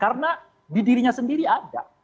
karena di dirinya sendiri ada